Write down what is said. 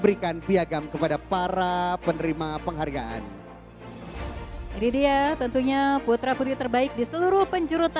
karena tentunya yang hadir atau yang menerima penghargaan ini ada dari yogyakarta ada dari jakarta